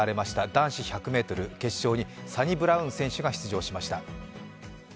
男子１００ｍ決勝にサニブラウン選手が出場しました。